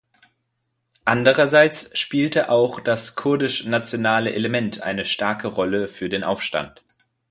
Andererseits spielte auch das kurdisch nationale Element eine starke Rolle für den Aufstand.